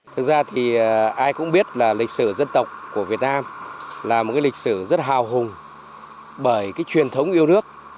thực ra thì ai cũng biết là lịch sử dân tộc của việt nam là một cái lịch sử rất hào hùng bởi cái truyền thống yêu nước